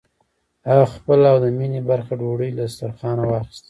هغه خپله او د مينې برخه ډوډۍ له دسترخوانه واخيسته.